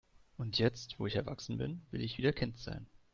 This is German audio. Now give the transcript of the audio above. Und jetzt, wo ich erwachsen bin, will ich wieder Kind sein.